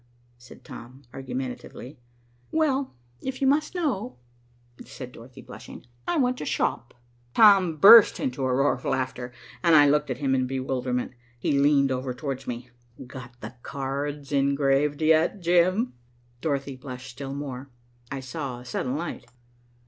said Tom argumentatively. "Well, if you must know," said Dorothy blushing, "I want to shop." Tom burst into a roar of laughter, and I looked at him in bewilderment. He leaned over towards me. "Got the cards engraved yet, Jim?" Dorothy blushed still more. I saw a sudden light.